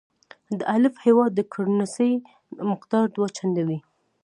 د الف هیواد د کرنسۍ مقدار دوه چنده وي.